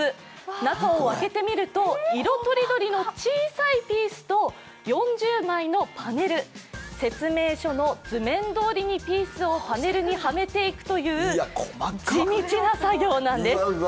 中を開けてみると色とりどりの小さいピースと４０枚のパネル、説明書の図面どおりにピースをパネルにはめていくという地道な作業なんです。